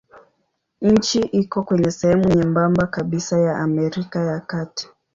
Nchi iko kwenye sehemu nyembamba kabisa ya Amerika ya Kati.